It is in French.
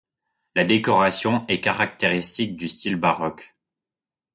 La décoration est caractéristique du style baroque.